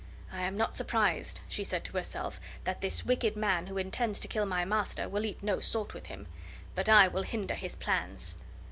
"I am not surprised," she said to herself, "that this wicked man, who intends to kill my master, will eat no salt with him; but I will hinder his plans."